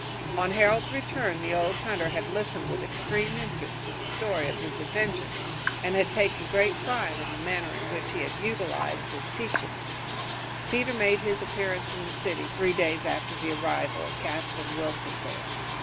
On Harold's return the old hunter had listened with extreme interest to the story of his adventures and had taken great pride in the manner in which he had utilized his teachings. Peter made his appearance in the city three days after the arrival of Captain Wilson there.